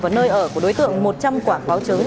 và nơi ở của đối tượng một trăm linh quả báo chứng